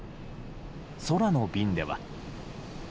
空の便では。